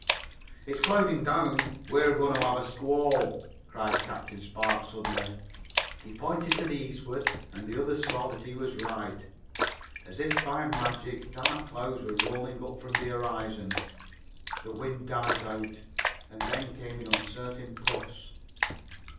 "It's clouding down we are going to have a squall!" cried Captain Spark suddenly. He pointed to the eastward and the others saw that he was right. As if by magic dark clouds were rolling up from the horizon. The wind died out, and then came in uncertain puffs.